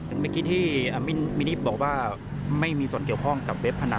เมื่อกี้ที่มินิบบอกว่าไม่มีส่วนเกี่ยวข้องกับเว็บพนัน